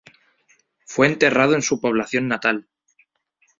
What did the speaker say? Fue enterrado en su población natal.